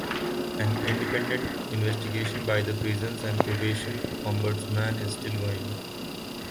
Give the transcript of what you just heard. An independent investigation by the Prisons and Probation Ombudsman is still ongoing.